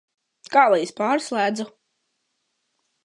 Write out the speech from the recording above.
Kā lai es pārslēdzu?